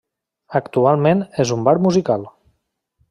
Actualment és un bar musical.